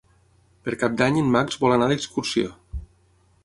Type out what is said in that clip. Per Cap d'Any en Max vol anar d'excursió.